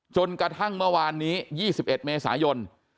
จนกระทั่งเมื่อวานนี้๒๑เมษายน